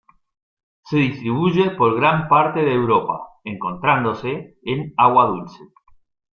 Se distribuye por gran parte de Europa, encontrándose en agua dulce.